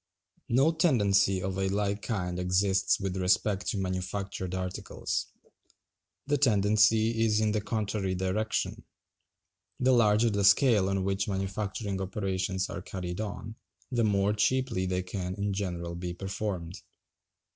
No tendency of a like kind exists with respect to manufactured articles. The tendency is in the contrary direction. The larger the scale on which manufacturing operations are carried on, the more cheaply they can in general be performed.